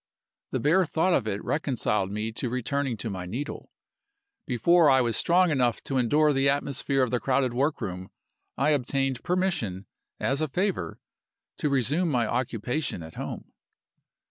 The bare thought of it reconciled me to returning to my needle. Before I was strong enough to endure the atmosphere of the crowded workroom I obtained permission, as a favor, to resume my occupation at home.